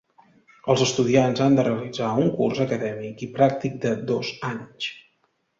Els estudiants han de realitzar un curs acadèmic i pràctic de dos anys.